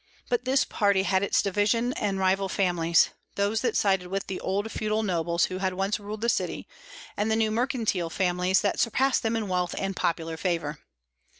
But this party had its divisions and rival families, those that sided with the old feudal nobles who had once ruled the city, and the new mercantile families that surpassed them in wealth and popular favor.